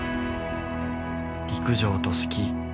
陸上とスキー。